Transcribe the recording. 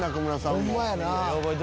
ホンマやな。